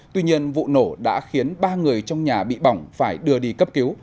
tuy nhiên vụ nổ đã khiến ba người trong nhà bị bỏng phải đưa đi cấp cứu